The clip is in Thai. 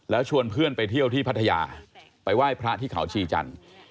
แล้วชวนเพื่อนไปเที่ยวที่พัทยาไปไหว้พระที่เขาชีจันทร์